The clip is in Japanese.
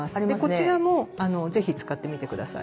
こちらもぜひ使ってみて下さい。